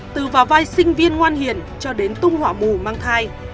từ vào vai sinh viên ngoan hiền cho đến tung hỏa bù mang thai